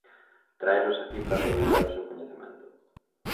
Traelos aquí para aproveitar o seu coñecemento.